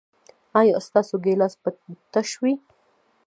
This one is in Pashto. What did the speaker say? ایا ستاسو ګیلاس به تش وي؟